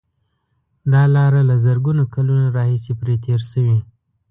دا لاره له زرګونو کلونو راهیسې پرې تېر شوي.